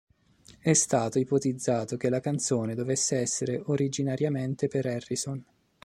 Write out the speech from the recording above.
È stato ipotizzato che la canzone dovesse essere originariamente per Harrison.